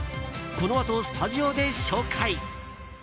このあとスタジオで紹介。